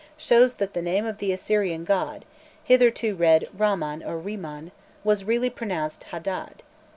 shows that the name of the Assyrian god, hitherto read Ramman or Rimmon, was really pronounced Hadad.